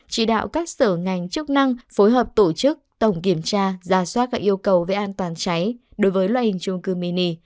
chỉ đạo các sở ngành chức năng phối hợp tổ chức tổng kiểm tra ra soát các yêu cầu về an toàn cháy đối với loại hình trung cư mini